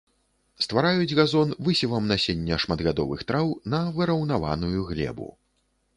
Ствараюць газон высевам насення шматгадовых траў на выраўнаваную глебу.